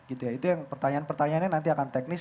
itu yang pertanyaan pertanyaannya nanti akan teknis